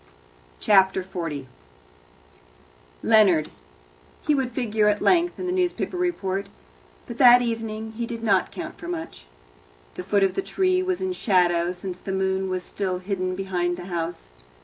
Chapter 40 Leonard he would figure at length in a newspaper report, but that evening he did not count for much. The foot of the tree was in shadow, since the moon was still hidden behind the house.